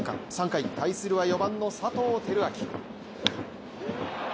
３回、対するは４番の佐藤輝明。